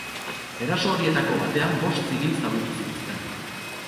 Eraso horietako batean bost zibil zauritu zituzten.